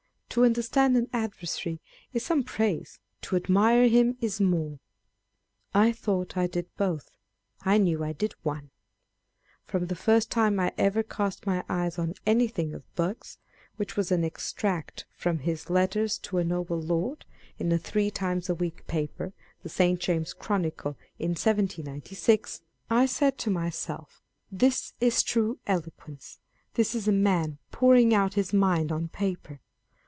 To understand an adversary is some praise : to admire him is more. I thought I did both : I knew I did one. From the first time I ever cast my eyes on anything of Burke's (which was an extract from his Letter to a Noble Lord in a three times a week paper, the St. James's Chronicle, in 1796), I said to 320 On Reading Old Books. mysolf, " This is true eloquence : this is a man pouring out his mind on paper."